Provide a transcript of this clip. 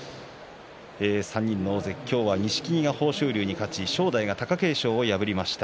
３人の大関、今日は錦木が豊昇龍に勝ち正代が貴景勝を破りました。